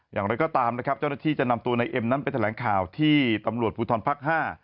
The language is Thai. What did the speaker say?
อย่างไรก็ตามนะครับเจ้าหน้าที่จะนำตัวในเอ็มนั้นไปแถลงข่าวที่ตำรวจภูทรภักดิ์๕